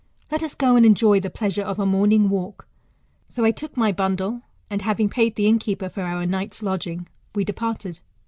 Let us go, and enjoy the pleasure of a morning walk. So I took my bundle, and having paid the innkeeper for our night's lodging, we de parted.